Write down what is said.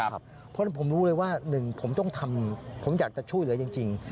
เพราะฉะนั้นผมรู้เลยว่า๑ผมอยากจะช่วยเหลือจริง